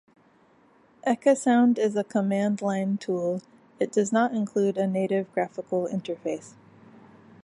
Ecasound is a command-line tool: it does not include a native graphical interface.